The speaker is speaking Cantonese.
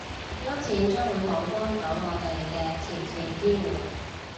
依筆錢將會好幫到我哋嘅前線醫護